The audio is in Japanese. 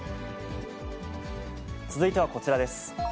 続いてはこちらです。